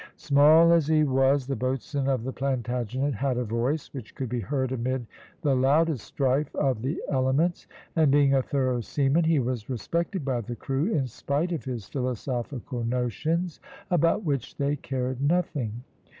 Small as he was the boatswain of the Plantagenet had a voice which could be heard amid the loudest strife of the elements; and being a thorough seaman he was respected by the crew in spite of his philosophical notions, about which they cared nothing.